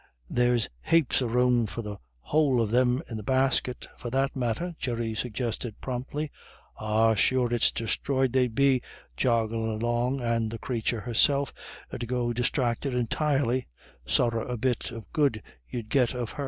"There's hapes of room for the whole of them in the basket, for that matter," Jerry suggested promptly. "Ah, sure, it's distroyed they'd be, jogglin' along, and the crathur herself 'ud go distracted entirely; sorra a bit of good you'd get of her.